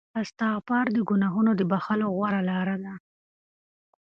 استغفار د ګناهونو د بخښلو غوره لاره ده.